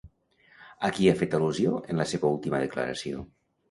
A qui ha fet al·lusió en la seva última declaració?